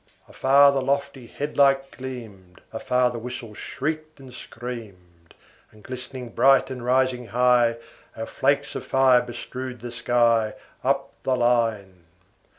Afar the lofty head light gleamed; Afar the whistle shrieked and screamed; And glistening bright, and rising high, Our flakes of fire bestrewed the sky, Up the line.